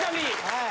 はい。